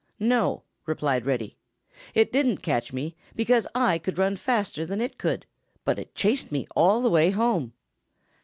"No," replied Reddy, "it didn't catch me, because I could run faster than it could, but it chased me all the way home."